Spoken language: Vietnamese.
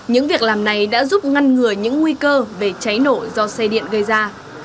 những việc làm này đã giúp ngăn ngừa những nguy cơ về cháy nổ do xe điện gây ra